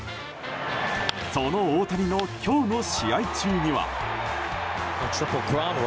その大谷の今日の試合中には。